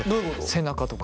背中とか。